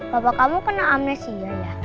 bapak kamu kena amnesia ya